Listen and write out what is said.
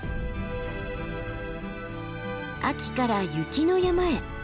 秋から雪の山へ。